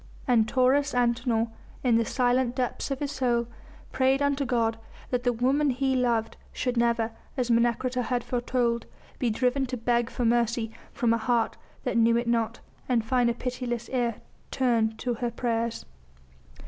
And Taurus Antinor, in the silent depths of his soul, prayed unto God that the woman he loved should never as Menecreta had foretold be driven to beg for mercy from a heart that knew it not and find a pitiless ear turned to her prayers.